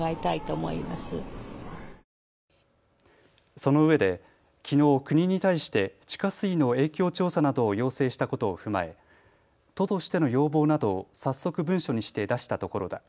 そのうえできのう、国に対して地下水の影響調査などを要請したことを踏まえ都としての要望などを早速文書にして出したところだ。